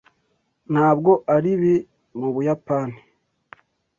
Ntabwo aribi mu Buyapani.